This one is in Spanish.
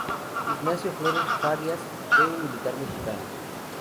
Ignacio Flores Farías fue un militar mexicano.